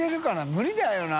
無理だよな。